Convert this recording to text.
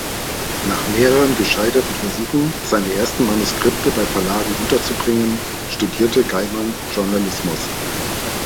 Nach mehreren gescheiterten Versuchen, seine ersten Manuskripte bei Verlagen unterzubringen, studierte Gaiman Journalismus.